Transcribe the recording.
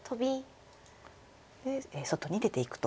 で外に出ていくと。